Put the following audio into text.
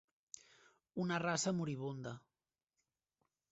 Una raça moribunda.